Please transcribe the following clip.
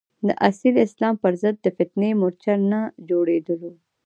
د اصیل اسلام پر ضد د فتنې مورچل نه جوړېدلو.